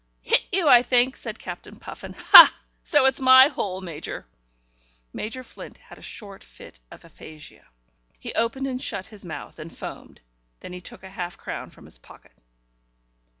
"Hit you, I think," said Captain Puffin. "Ha! So it's my hole, Major!" Major Flint had a short fit of aphasia. He opened and shut his mouth and foamed. Then he took a half crown from his pocket.